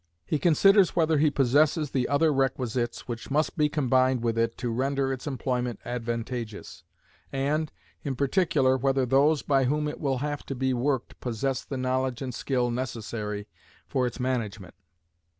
He considers whether he possesses the other requisites which must be combined with it to render its employment advantageous, and, in particular whether those by whom it will have to be worked possess the knowledge and skill necessary for its management.